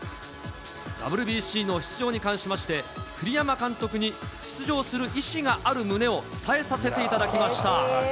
ＷＢＣの出場に関しまして、栗山監督に出場する意思がある旨を伝えさせていただきました。